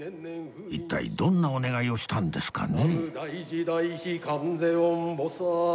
一体どんなお願いをしたんですかね？